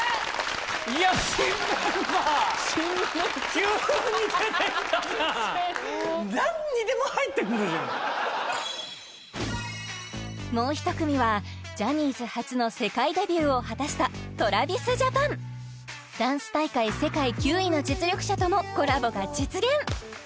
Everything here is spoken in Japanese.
急に出てきたなもう１組はジャニーズ初の世界デビューを果たしたＴｒａｖｉｓＪａｐａｎダンス大会世界９位の実力者ともコラボが実現！